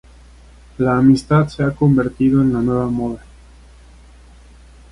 La amistad se ha convertido en la nueva moda.